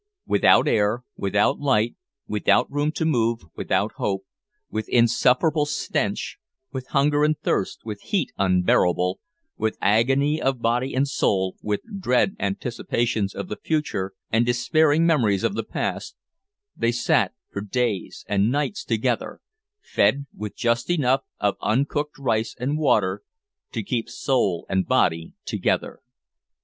Without air, without light, without room to move, without hope; with insufferable stench, with hunger and thirst, with heat unbearable, with agony of body and soul, with dread anticipations of the future, and despairing memories of the past, they sat for days and nights together fed with just enough of uncooked rice and water to keep soul and body together.